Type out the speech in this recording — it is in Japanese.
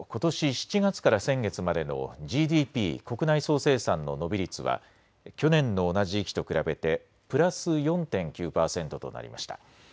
７月から先月までのＧＤＰ・国内総生産の伸び率は去年の同じ時期と比べてプラス４．９％となりました。